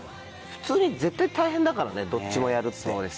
普通に絶対大変だからねどっちもやるって。